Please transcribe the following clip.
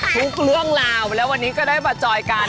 ทุกเรื่องราวแล้ววันนี้ก็ได้มาจอยกัน